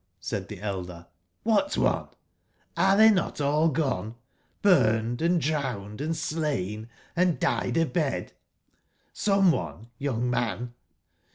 said the elder; ''what one ? Hre they not all gone ? burned, and drowned, and slam and died abed ?Some one, young man?